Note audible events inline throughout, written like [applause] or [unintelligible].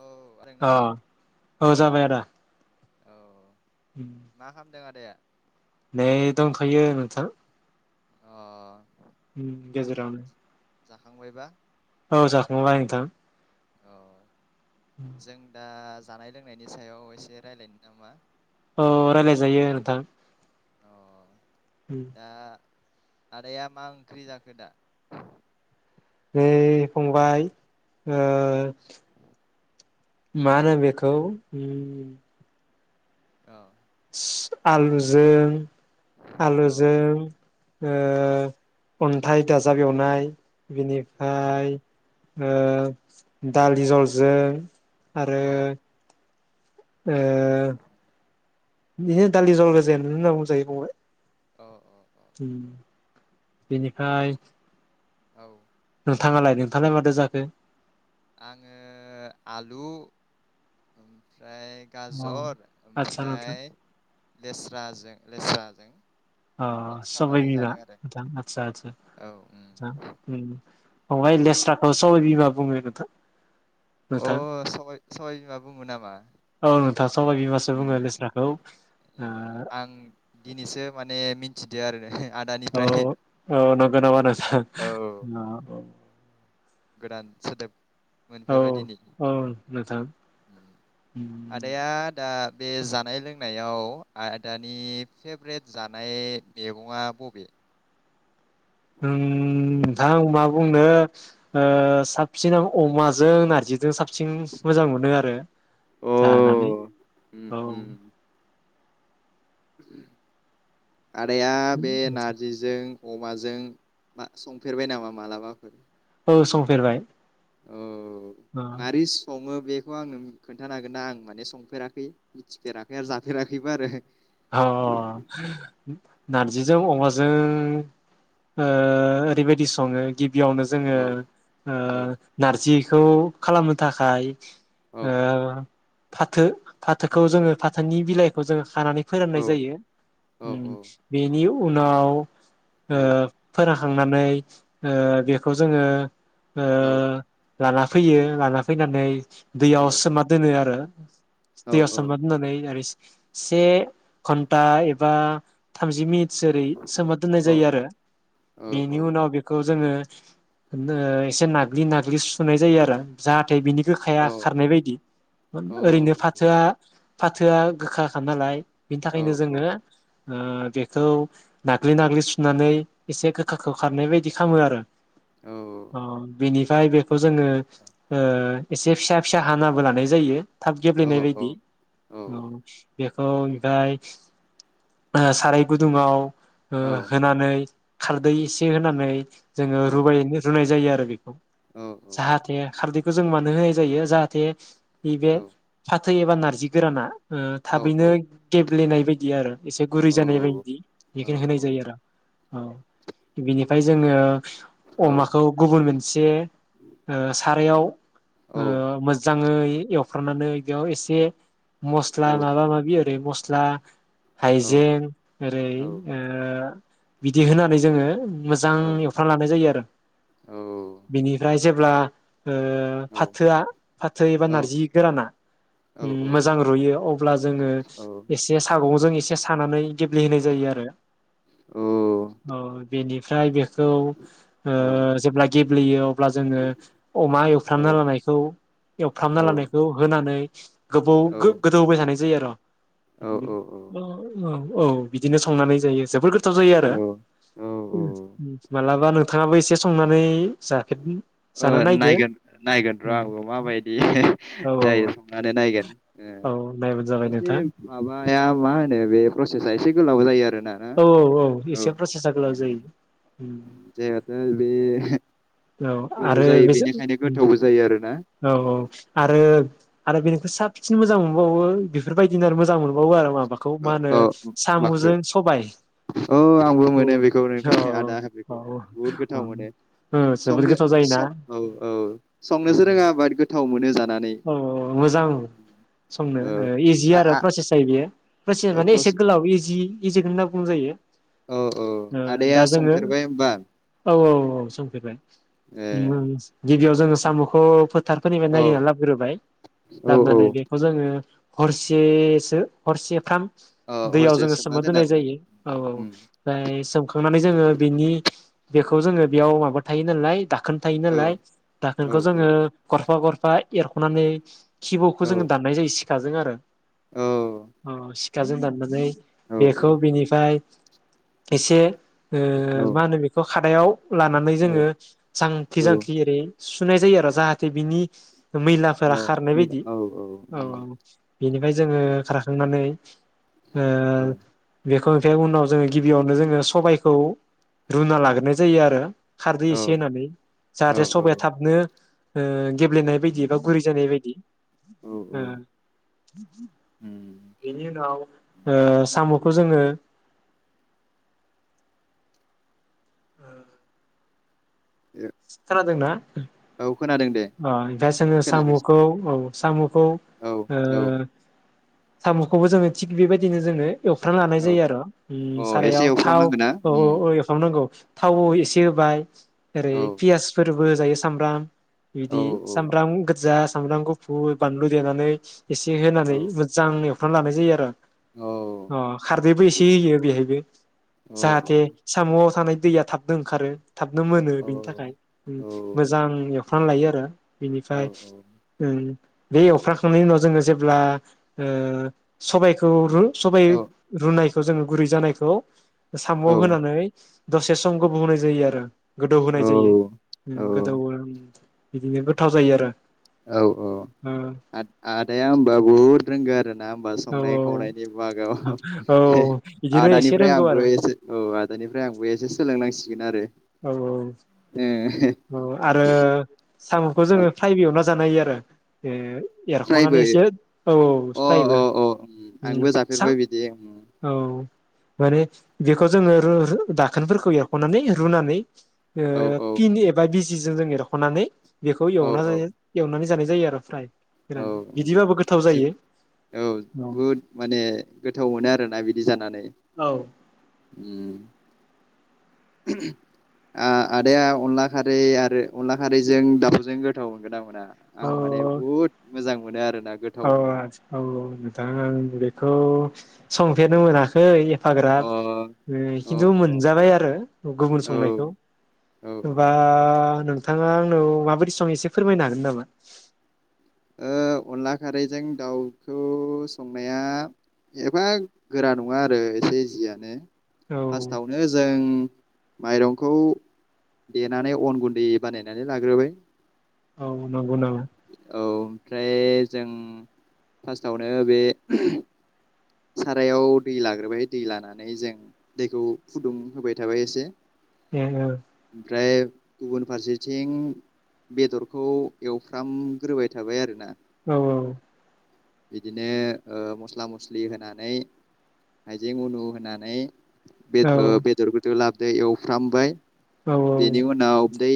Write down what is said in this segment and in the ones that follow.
औ आदैना अ औ जाबाय आदा औ मा खालामदों आदाया? नै दंथ'यो नोंथां [inaudible] अ होम जाखां गेजेरावनो जाखांबायबा औ जाखांबाय नोंथा औ जों दा जानाय लोंनायनि सायाव एसे रायलायनो नामा? औ रायलायजायो नोंथां अ दा आदाया मा ओंख्रि जाखो दा? नै फंबाय ओ मा होनो बेखौ उम अ आलुजों अ आलुजों अ ओ अन्थाइ दाजाब एवनाय अ बिनिफाय ओ दालि जहलजों आरो अ ओ इनो दालि जहल गोजाया होना बुंजायो फंबाय अ अ अ उम बेनिफाय औ नोंथाङालाय नोंथाङालाय मादो जाखो? आङो आलु ओमफ्राय औ गाजर आदसा नोंथां ओमफ्राय लेस्राजों लेस्राजों अ मिक्स सबाय खालामनानै बिमा जादों आरो आदसा आदसा औ उम आदसा उम फंबाय लेस्राखौ सबाय बिमा बुङो नोंथां अ नोंथां सबाय सबाय बिमा बुङो नामा औ नोंथां सबाय बिमासो बुङो उम लेस्राखौ ए ओ आं दिनैसो माने मिथिदो आरो औ आदानिफ्राय औ नंगौ नामा नोंथां। औ गोदान सोदोब औ मोनफेरबाय दिनै औ नोंथां आदाया दा बे जानाय लोंनायाव आदानि फेबरेट जानाय मैगङा बबे? ओम थां मा बुंनो ओ साबसिनाव अमाजों नारजि जों साबसिन मोजां मोनो आरो अ जानानै उम औ उम आदाया बे नारजिजों अमा जों मा संफेरबाय नामा मालाबाफोर? औ संफेरबाय। औ अ मारै सङो बे बेखौ आङो खोन्थानो हागोन आं माने संफेराखै मिथिफेराखै आरो जाफेराखैबो आरो अ नारजिजों अमाजों ओ ओरै बायदि सङो। गिबियावनो जोङो औ ओ औ नारजि खौ खालामनो थाखाय औ ओ फाथो फाथोखौ जोङो फाथोनि बिलाइखौ जोङो खानानै औ फोरानाय जायो औ उम बेनि उनाव औ ओ फोररा खांनानै ओ बेखौ जोङो ओ औ लाना फैयो लाना फैनानै औ दैयाव सोमा दोनो आरो औ [inaudible] दैयाव औ सोमना दोन्नानै रिस से घन्टा एबा थामजि मिनिट जेरै सोमना दोननाय औ जायो आरो बेनि उनाव बेखौ जोंयो एसे नाग्लि नाग्लि सुनाय जायो आरो जाहाथे बिनि औ गोखाया औ खारनाय बायदि ओरैनो औ औ फाथोआ फाथोआ गोखाखा नालाय बिनि थाखायनो जोङो ओ बेखौ नाग्लि नाग्लि सुनानै एसे गोखाखौ खारनाय बायदि खालामो आरो अ बिनि फाय बे बेखौ जोङो ओ एसे फिसा फिसा हानाबो लानाय जायो थाब गेब्लेनाय बायदि औ बे औ फाय साराय गुदुङाव हो होनानै खारदै एसे होनानै जोङो रुबाय रुनाय जायो आरो [inaudible] जाहाथे खारदै जों मानो होनाय जायो जाहाथे बिबो थै एबा नारजि गोराना ओ थाबैनो गेब्लेनायनाय बायदि आरो एसे गुरै जानाय बायदि बेखौ होनाय जायो औ आरो औ बेनि फाय जोङो। अमाखौ गुबुन मोनसे ओ सारायाव। ओ मोजांङै एउ। फ्रामनानै बेयाव एसे। मस्ला माबा माबि। [unintelligible] स्ला। हाइजें ओरै ओ। बिदि होनानै जोंङो। मोजां एवफ्रायना लानाय जायो आरो बेनिफ्राय। जेब्ला। ओ फाथोआ फाथो एबा नारजि गोराना उम मोजां रुयो अब्ला जोंङो। सागंजों एसे सानानै गेब्लेहोनाय जायो आरो। अ बेनि। थ्राय बेग। खौ ओ जेब्ला गेब्लेयो अब्ला जोंङो अमा एवफ्रामना लानायखौ एवफ्रामना लानायखौ होनानै। [inaudible] गोबाव गो-गोदौहोबाय थानाय। [unintelligible] [unintelligible] औ बिदिनो संनानै जायो जोबोर गो थाव जायो आरो औ औ मालाबा। थाङाबो एसे संनानै जाफेर ओ जाना नायदो नायगोन नायगोन औ र‌ा आंबो माबायदि औ औ जायो संनानै नायगोन ओ औ नायबानो जाबाय एसे नोंथां माबा। माया मा होनो बे प्रसेसा एसे गोलाव जायो आरो। नाना औ औ एसे प्रसेसा गोलाव जायो जेहेथु बे औ गोलाव आरो जायो बेसो बेनिखायनो गोथावबो जायो आरोना औ उम औ आरो। आरो बेनिख्रुय साबसिन मोजां मोनबावो बेफोरबायदि। दिनार मोजां मोनबावो आरो माबाखौ मा होनो सामजों सबाय। ओ आंबो औ मोनो बेखौ औ नोंथा आदा होन बेखौ औ बुहुद गोथाव मोनो। औ जोबोद संनो गोथाव जायोना सौ औ औ संनोसो रोंङा बाद गो [unintelligible] उम मोजां संनो औ रोंगो इजि आ आरो आ प्रसेसा इयो प्रसेस औ माने प्रस एसे गोलाव इजि इजिखौनो होनना बुंजायो । ओ औ औ आदाया दा जोङो संफेरबाय होमबा औ औ औ संफेबाय ए [unintelligible] गिबियाव जोङो साम'खौ फोद थाखारफोरनिफ्राय औ नागिरना लाब ग्रोबाय औ औ लाबनानै बेखौ जोङो हरसेसो हरसेफ्राम ओ दैयाव हरसे जोङो सोमना दोनो दोननाय आरोना जायो औ औ उम ओमफ्राय सोमखांनानै जोङो बेनि बेखौ जोङो बेयाव माबा थायो नालाय दाख खोन थायो औ नालाय औ दाखोनखौ जोङो गरफा गर फाइ एरखनानै खिबुखौ औ जोङो दाननाय जायो सि थाजों आरो। औ अ सि सिखाजों दाननानै औ बेखौ बिनिफाय एसे ओ औ मा होनो बेखौ खादायाव लानानै जोङो जांखि औ जांखि एरै सुनाय जायो आरो जाहाथे बिनि मैलाफोरा औ खारनाय मैला बायदि औ औ उम औ बेनिफ्राय जोङो खारखांनानै ओ औ बेख खौ ओमफाय उनाव जोङो गिबियावनो जोङो सबायखौ रुना लाग्रोनाय जायो आरो। खारदै औ एसे होननानै औ जाहाथे औ सबया थाबनो ओ गेब्लेनाय बायदि बा गुरै जानाय बायदि । औ उम ओ। बेनि उनाव ओ साम' खौ जोंनो ओ। खोनादोंना? अ औ खोनादों दे ओमफाय जोङो खोनागासिनो साम'खौ औ। सामु खौ औ औ ओ साम'खौबो जोङो थिग बेबायदिनो जोङो एवफ्रामना लानाय औ जायो आरो उम अ एसे सारायाव थाव एवफ्रामनांगोन ना औ औ उम औ एवफ्रामनांगौ थाव उम एसे होबाय ओरै औ फोरबो होजायो सामब्राम औ बिदि सामब्राम गोजा सामब्राम गुफुर बानलु देनानै एसे औ होनानै मोजां एव फ्रामना लानाय जायो आरो औ अ खारदैबो एसे होयो बेहायबो औ जाहाथे साम'आव थानाय दैया थाबनो ओंखारो थाबनो मोनो औ बेनि थाख खाय उम मोजां एव फ्राम लायो आरो बेनिफ्राय ओ बे एवफ्राखांनायनि उनाव जोङो जेब्ला ओ सबायखौ रु सबाय औ रुनाय खौ जोङो गुरै जानायखौ साम' औ होनानै दसे सम गुबुहोनाय जायो आरो गोदौ औ होनाय जायो उम औ गोदौ ओ उम बिदिनो गोथाव जायो आरो औ औ आ आदाया होनबा बुहुद रोंगो आरो ना होनोमबा ओ औ संनाय खावनायनि बागाव औ औ बिदिनो एसे आदानिफ्राय रोंगौ आरो आंबो एसे औ आदानिफ्राय आंबो एसे सोलोंनांसि सिगोन आरो औ औ औ आरो साम'खौ ओ जोङो फ्रायबो एवना जा नो हायो आरो फ्रायबो एरख'नानैसो औ औ अ स्रायबो अ अ उम आंबो सा जाफेरबाय बिदि औ माने बेखौ जोङो रु रु दाखोनफोरखौ एरख'नानै रुनानै ओ औ फिन एबा बिस जि जों एरख'नानै बेखौ औ एवना औ जायो एवनानै जानाय जायो आरो फ्राय औ गोरान बिदिबाबो गोथाव जो जायो औ बहुद माने गोथाव मोनो आरोना बिदि जानानै। औ उम। आदाया अनला खारै आरो अनला खारैजों दाउजों गोथाव मोनगोनना मोना? आं माने बुहुत मोजां मोनो आरो औ आ औ औ। आं बेखौ संफेरनो मोनाखै फाग्रा अ औ खिन्थु मोनजाबाय आरो गुबुन औ संनायखौ औ नबा नों थां थाङा आंनो माबायदि सङो एसे फोरमायनो हागोन नामा? ओ अनला खारैजों दाउखौ संनाया एफा गोरा नङा आरो एसे इजियानो। औ फार्स्टआवनो जों माइरंखौ देनानै अन गुन्दै बानायनानै लाग्रोबाय। औ नंगौ नामा? औ ओमफ्राय जों फार्स्टआवनो बे सारायाव दै लाग्रोबाय दै लानानै जों दैखौ फुदुं होबाय थाबाय एसे [unintelligible] ओमफ्राय गुबुन फारसेथिं बेदरखौ एवफ्रामग्रोबाय थाबाय आरोना औ औ। बिदिनो ओ मस्ला मस्लि होनानै हाइजें उनु होनानै बेद औ ओ बेेदर बुदु लाब दै एवफ्रामबाय औ बेनि उनाव दै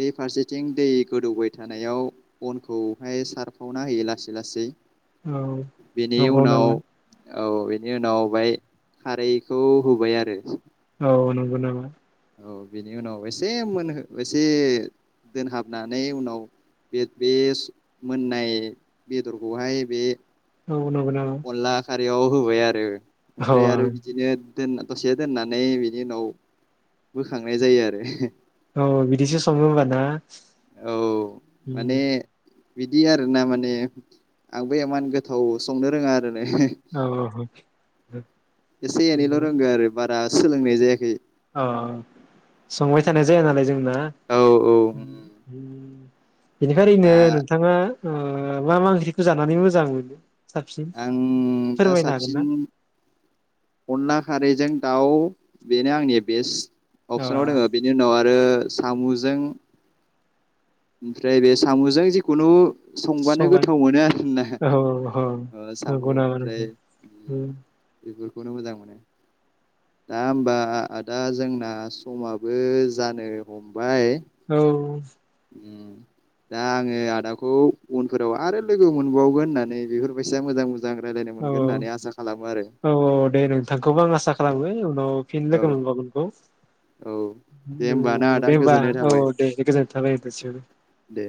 बे फारसेथिं दै गोदौबाय थानायाव बनखौहाय सारफावना होयो लासै लासै औ बेनि नंगौ उनाव नामा औ बेनि उनाव बाय खारैखौ होबाय आरो। औ नंगौ नामा? औ बेनि उनाव एसे मोनहो एसे दोनहाबनानै उनाव बे-बे मोननाय बेदरखौहाय बे औ नंगौ नामा? दैयाव होबाय आरो। औ ओमफ्राय आरो बिदिनो दोन दसे दोननानै बिनि उनाव बोखांनाय जायो आरो। औ बिदिसो सङो होमबा ना? औ उम माने बिदि आरो ना माने आंबो इमान गोथाव संनो रोङा आर [unintelligible] औ औ एसे एनैल' रोंगौ आरो बाद दा सोलोंनाय जायाखै औ संबाय थानाय जाया नालाय जों ना औ औ बेनिखाय ओरैनो दा नोंथाङा ओ मा मा ओंख्रिखौ जानानै मोजां मोनो? साबसिन आं दा फोरमायनो हागोन ना साबसिन अनला खारैजों दाउ बेनो आंनि बेस्ट अ अपसनाव दोङो बिनि उनाव आर रो साम'जों ओमफ्राय बे साम'जों जिखुनु संबानो सबाय गोथाव मोनो आर ना औ औ ओ सामु' नंगौ नामा ओमफ्राय नोंथां बेफोर बेखौनो मोजां मोनो दा होमबा आदा जोंना समाबो जानो हमबाय औ उम दा आङो आदाखौ उनफोराव आरो लोगो मोनबावगोन होननानै बेफोरबायसा मोजां मोन औ औ औ औ दे नोंथांखौबो आं आसा खालामो उनाव फिन औ लोगो मोनबावगोनखौ औ दे होमबा ना औ आदा दे होमबा गोजोननाय औ थाबाय दे बे गोजान थाबाय [unintelligible] दे